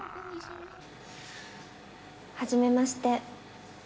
はじめまして。